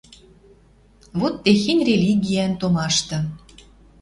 Вот техень религиян томашты